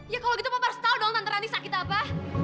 ya kalau gitu papa harus tahu dong tante ranti sakit apa